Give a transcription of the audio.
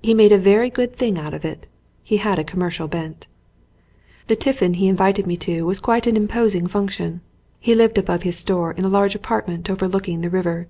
He made a very good thing out of it. He had a commercial bent. The tiffin he invited me to was quite an impos ing function. He lived above his store in a large apartment overlooking the river.